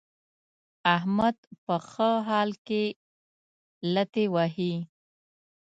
احمد په ښه حال کې لتې وهي.